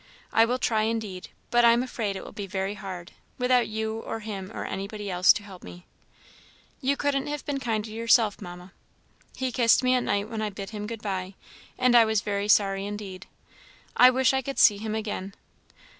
I will try indeed, but I am afraid it will be very hard, without you or him or anybody else to help me. You couldn't have been kinder yourself, Mamma; he kissed me at night when I bid him good bye, and I was very sorry indeed. I wish I could see him again.